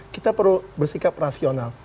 kita perlu bersikap rasional